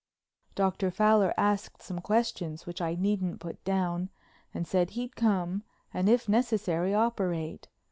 Dr. Fowler asked some questions which I needn't put down and said he'd come and if necessary operate.